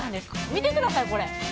見てください、これ。